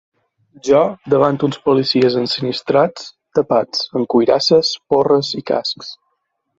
Jo davant uns policies ensinistrats, tapats, amb cuirasses, porres i cascs.